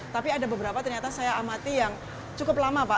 tapi ada beberapa ternyata saya amati yang cukup lama pak